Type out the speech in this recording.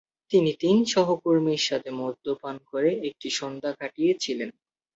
তিনি তিন সহকর্মীর সাথে মদ্যপান করে একটি সন্ধ্যা কাটিয়েছিলেন।